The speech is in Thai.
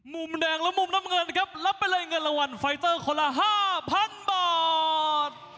มุมแดงและมุมน้ำเงินนะครับรับไปเลยเงินรางวัลไฟเตอร์คนละ๕๐๐๐บาท